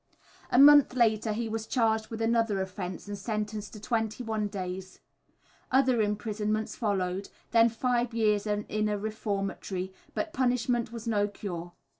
A month later he was charged with another offence and sentenced to 21 days. Other imprisonments followed, then five years in a reformatory, but punishment was no cure.